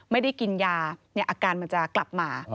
ไม่ได้กินยาอาการมันจะกลับมา